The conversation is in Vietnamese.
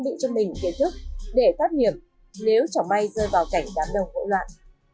đề nghị cho mình kiến thức để phát nghiệm nếu chẳng may rơi vào cảnh đám đông hỗn loạn